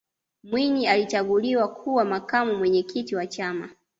mwinyi alichaguliwa kuwa makamu mwenyekiti wa chama